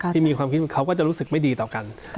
ที่มีความคิดเขาก็จะรู้สึกไม่ดีต่อกัน